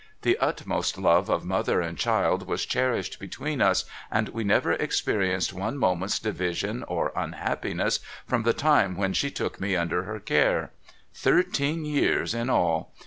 The utmost love of mother and child was cherished between us, and we never experienced one moment's division or unhappiness from the time when she took me under her care. Thirteen years in all